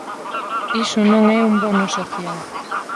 Iso non é un bono social.